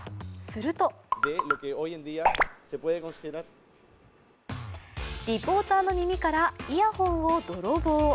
すると、リポーターの耳からイヤホンを泥棒。